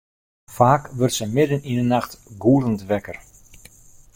Faak wurdt se midden yn 'e nacht gûlend wekker.